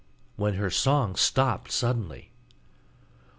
when her song stopped suddenly.